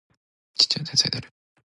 父は天才である